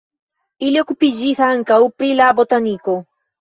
Li okupiĝis ankaŭ pri la botaniko.